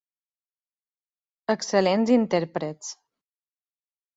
Excel·lents intèrprets.